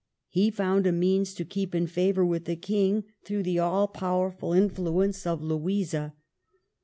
He found a means to keep in favor with the King through the all powerful influence of Louisa.